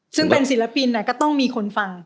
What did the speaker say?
ซึ่งเป็นศิลปินก็ต้องมีคนฟัง